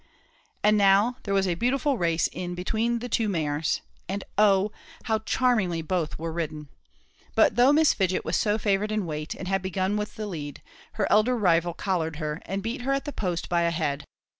And now there was a beautiful race in between the two mares; and oh! how charmingly both were ridden! But though Miss Fidget was so favoured in weight, and had begun with the lead, her elder rival collared her, and beat her at the post by a head.